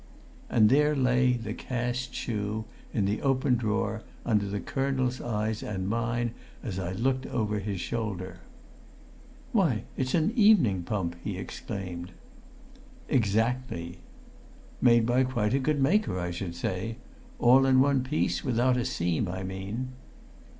And there lay the cast shoe, in the open drawer, under the colonel's eyes and mine as I looked over his shoulder. "Why, it's an evening pump!" he exclaimed. "Exactly." "Made by quite a good maker, I should say. All in one piece, without a seam, I mean."